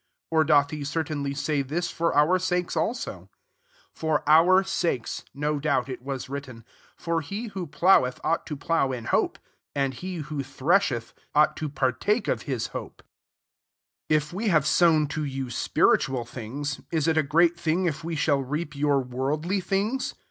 10 Or doth lie certainly say tHn for our >akea aho ? For our sakes, no ioubt it was written : for he ^ho ploweth ought to plow in tiope ; and he .who thresheth mght to partake of his hope* IX If we have sown to you spiritual things^ ia it a great thing if we shall reap your MTorkUy things?